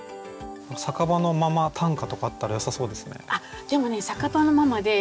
酒場のママ短歌とかあったらよさそうですね。